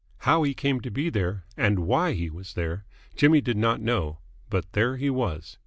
How he came to be there, and why he was there, Jimmy did not know. But there he was.